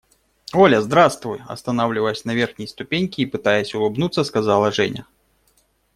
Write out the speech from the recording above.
– Оля, здравствуй! – останавливаясь на верхней ступеньке и пытаясь улыбнуться, сказала Женя.